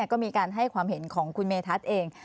ก็มีการให้ความเห็นของคุณเมธัศน์เอง